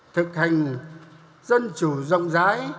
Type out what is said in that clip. thực hành dân chủ rộng rãi